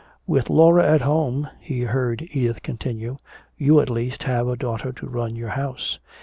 "With Laura at home," he heard Edith continue, "you at least had a daughter to run your house.